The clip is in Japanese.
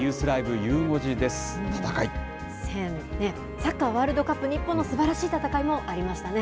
サッカーワールドカップ、日本のすばらしい戦いもありましたね。